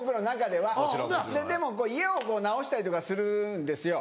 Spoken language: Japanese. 家を直したりとかするんですよ。